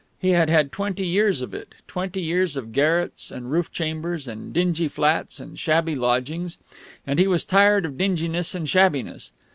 He had had twenty years of it twenty years of garrets and roof chambers and dingy flats and shabby lodgings, and he was tired of dinginess and shabbiness.